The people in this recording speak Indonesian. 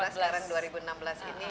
sekarang dua ribu enam belas ini